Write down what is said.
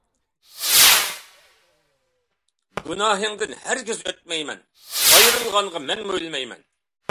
گۇناھىڭدىن ھەرگىز ئۆتمەيمەن، ئايرىلغانغا مەنمۇ ئۆلمەيمەن.